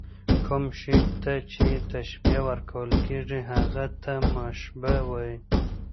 کوم شي ته چي تشبیه ورکول کېږي؛ هغه ته مشبه وايي.